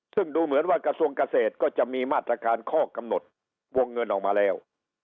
ซึ่งดูเหมือนว่ากระทรวงเกษตรก็จะมีมาตรการข้อกำหนดวงเงินออกมาแล้ว